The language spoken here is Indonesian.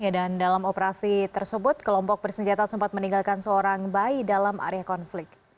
dan dalam operasi tersebut kelompok bersenjata sempat meninggalkan seorang bayi dalam area konflik